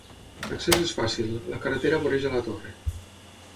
L'accés és fàcil, la carretera voreja la torre.